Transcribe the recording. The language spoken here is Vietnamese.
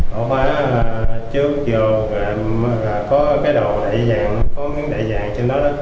đổ phá trước vô rồi em có cái đồ đậy dạng có miếng đậy dạng trên đó